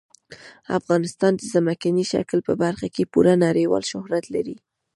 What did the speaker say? افغانستان د ځمکني شکل په برخه کې پوره نړیوال شهرت لري.